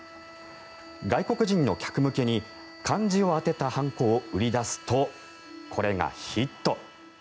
外国人の客向けに漢字を当てた判子を売り出すとこれがヒット。